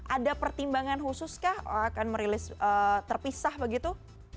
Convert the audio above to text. ada pertimbangan khusus kah akan merilis terpisah begitu